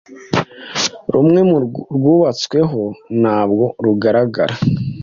rumwe rwubatsweho ntabwo rugaragara.